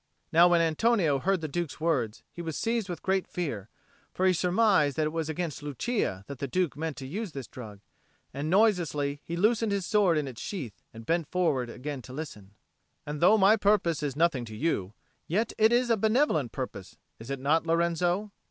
Now when Antonio heard the Duke's words, he was seized with great fear; for he surmised that it was against Lucia that the Duke meant to use this drug; and noiselessly he loosened his sword in its sheath and bent forward again to listen. "And though my purpose is nothing to you, yet it is a benevolent purpose. Is it not, Lorenzo?"